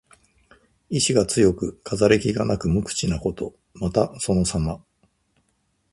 意思が強く、飾り気がなく無口なこと。また、そのさま。